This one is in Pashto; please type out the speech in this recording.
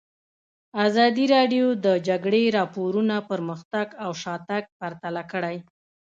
ازادي راډیو د د جګړې راپورونه پرمختګ او شاتګ پرتله کړی.